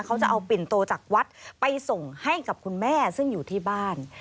เขาจะเอาปิ่นโตจากวัดไปส่งให้กับคุณแม่ซึ่งอยู่ที่บ้าน